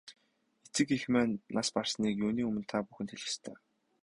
Эцэг эх маань нас барсныг юуны өмнө та бүхэнд хэлэх ёстой.